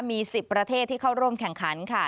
มี๑๐ประเทศที่เข้าร่วมแข่งขันค่ะ